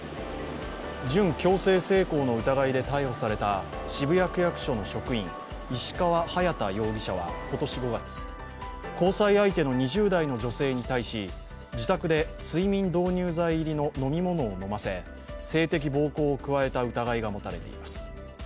準強制性交の疑いで逮捕された渋谷区役所の職員、石川隼大容疑者は今年５月交際相手の２０代の女性に対し自宅で睡眠導入剤入りの飲み物を飲ませ性的暴行を加えた疑いが持たれています。